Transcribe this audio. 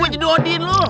gua jadi odin lu